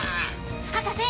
博士！